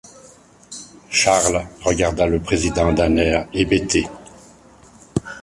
Charles regarda le président d’un air hébété.